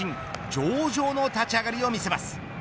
上々の立ち上がりを見せます。